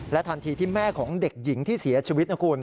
และทันทีที่แม่ของเด็กหญิงที่เสียชีวิต